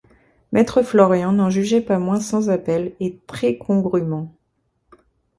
Maître Florian n'en jugeait pas moins sans appel et très congrûment.